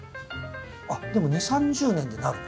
あっでも２０３０年でなるの？